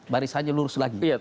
barisannya lurus lagi